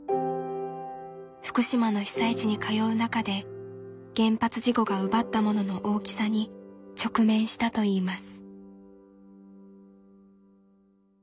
福島の被災地に通う中で原発事故が奪ったものの大きさに直面したといいます。